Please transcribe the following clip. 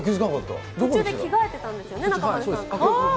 途中で着替えてたんですよね、中丸さん。